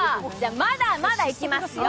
まだまだいきますよ。